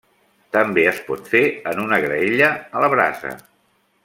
També es pot fer en una graella, a la brasa.